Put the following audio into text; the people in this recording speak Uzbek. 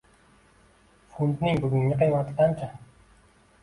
Funtning bugungi qiymati qancha?